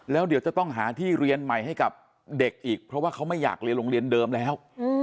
แล้วเดี๋ยวจะต้องหาที่เรียนใหม่ให้กับเด็กอีกเพราะว่าเขาไม่อยากเรียนโรงเรียนเดิมแล้ว